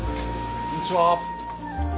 こんにちは。